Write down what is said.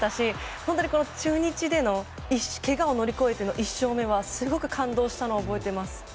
本当に中日でのけがを乗り越えての１勝目はすごく感動したのを覚えてます。